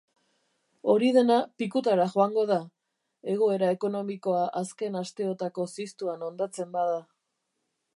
Hori dena pikutara joango da, egoera ekonomikoa azken asteotako ziztuan hondatzen bada.